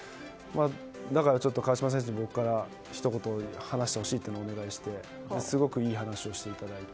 だから、ちょっと川島選手に僕から、ひと言話してほしいってお願いしてすごくいい話をしていただいて。